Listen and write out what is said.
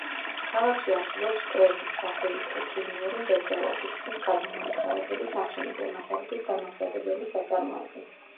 ქალაქში არსებობს კვების, საფეიქრო, ქიმიური მრეწველობის; ხის გადამამუშავებელი, სამშენებლო მასალების დამამზადებელი საწარმოები.